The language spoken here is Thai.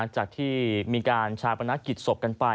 จากที่มีการชาปนกิจศพกันไป